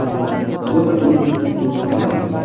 Zoʻrgʻa ilib turgan toʻtiyo –